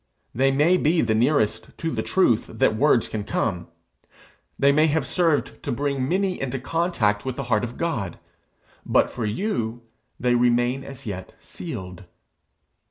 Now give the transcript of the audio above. They may be the nearest to the truth that words can come; they may have served to bring many into contact with the heart of God; but for you they remain as yet sealed.